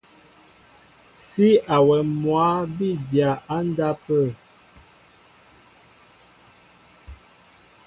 Sí awɛm mwǎ bí dya á ndápə̂.